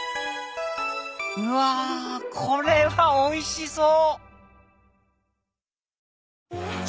うわこれはおいしそう！